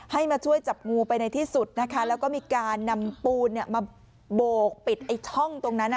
มาช่วยจับงูไปในที่สุดนะคะแล้วก็มีการนำปูนมาโบกปิดไอ้ช่องตรงนั้น